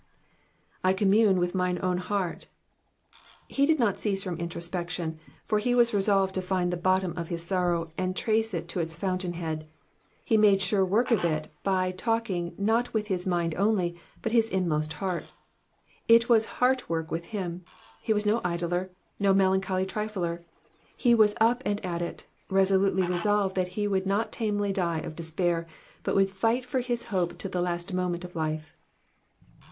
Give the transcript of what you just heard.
^^ J commune with mine own heart,^* He did not cease from introspection, for he was resolved to find the bottom of his sorrow, and trace it to its fountain head. He made sure work of it by talking not with his mind only, but with his inmost heart ; it was heart work with him. He was no idler, no melancholy trifler ; he was up and at it, resolutely resolved that he would not tamely die of despair, but would fight for his hope to the last moment of life.